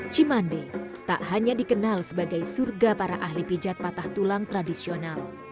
cimande tak hanya dikenal sebagai surga para ahli pijat patah tulang tradisional